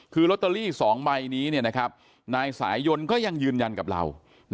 คือลอตเตอรี่๒ใบนี้นายสายยนต์ก็ยังยืนยันกับเรา